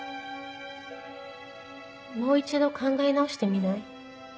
もう一度考え直してみない？